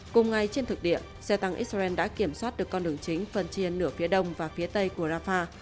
cùng ngày trên thực địa xe tăng israel đã kiểm soát được con đường chính phân chia nửa phía đông và phía tây của rafah